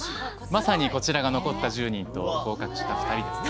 まさにこちらが残った１０人合格した２人ですね。